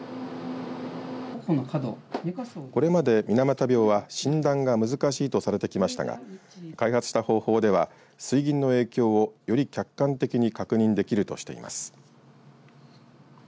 これまで水俣病は診断が難しいとされてきましたが開発した方法では水銀の影響をより客観的に確認できるとしています。